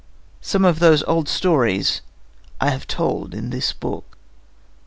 Some of those old stories I have told in this book.